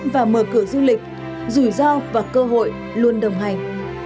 và mở cửa du lịch rủi ro và cơ hội luôn đồng hành